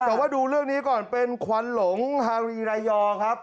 แต่ว่าดูเรื่องนี้ก่อนเป็นควันหลงฮารีรายยอครับ